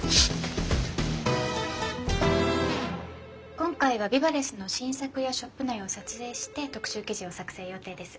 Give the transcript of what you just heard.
今回はＢＩＢＡＬＥＳＳの新作やショップ内を撮影して特集記事を作成予定です。